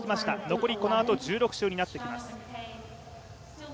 残り、このあと１６周になってきます。